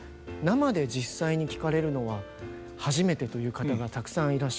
生で実際に聴かれるのは初めてという方がたくさんいらっしゃって。